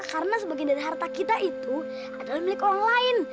karena sebagian dari harta kita itu adalah milik orang lain